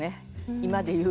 今で言う。